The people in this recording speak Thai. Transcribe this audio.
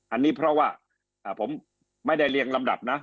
อันนี้เพราะว่าผมไม่ได้เรียงลำดับนะ